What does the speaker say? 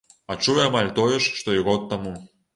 А чую амаль тое ж, што і год таму.